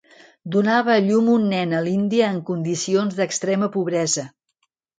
Donava a llum un nen a l'Índia en condicions d'extrema pobresa.